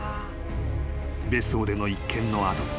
［別荘での一件の後